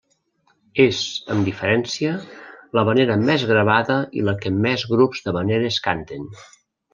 És, amb diferència, l'havanera més gravada i la que més grups d'havaneres canten.